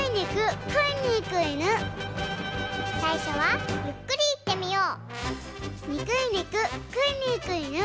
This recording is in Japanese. さいしょはゆっくりいってみよう。